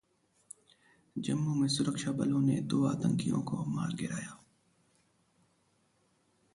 जम्मू में सुरक्षाबलों ने दो आतंकियों को मार गिराया